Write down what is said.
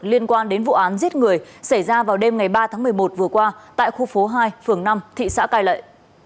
liên quan đến vụ án giết người xảy ra vào đêm ba tháng một mươi một vừa qua tại khu phố hai phường năm thị xã cài lợi